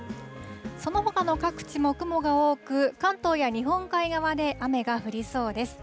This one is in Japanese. そのほかの各地も雲が多く、関東や日本海側で雨が降りそうです。